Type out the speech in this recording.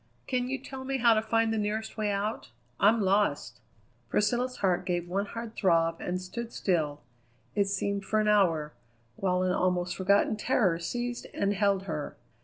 "Can you tell me how to find the nearest way out? I'm lost." Priscilla's heart gave one hard throb and stood still, it seemed for an hour, while an almost forgotten terror seized and held her.